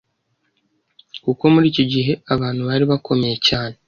kuko muri icyo gihe abantu bari bakomeye cyane